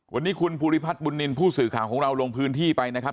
วันนี้คุณภูริพัฒน์บุญนินทร์ผู้สื่อข่าวของเราลงพื้นที่ไปนะครับ